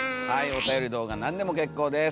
おたより動画何でも結構です。